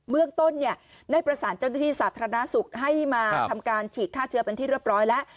เมืองต้นได้ประสานเจ้าหน้าที่สาธารณสุขให้มาทำการฉีดฆ่าเชื้อเป็นที่เรียบร้อยแล้ว